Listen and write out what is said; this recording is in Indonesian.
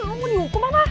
lu mau dihukum apa